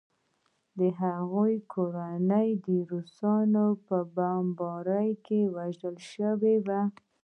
د هغې کورنۍ د روسانو په بمبارۍ کې وژل شوې وه